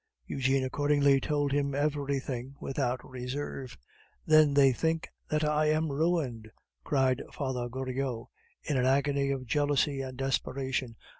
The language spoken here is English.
Eugene, accordingly, told him everything without reserve. "Then they think that I am ruined!" cried Father Goriot, in an agony of jealousy and desperation.